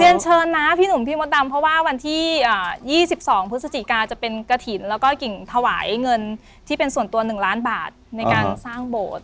เรียนเชิญนะพี่หนุ่มพี่มดดำเพราะว่าวันที่๒๒พฤศจิกาจะเป็นกระถิ่นแล้วก็กิ่งถวายเงินที่เป็นส่วนตัว๑ล้านบาทในการสร้างโบสถ์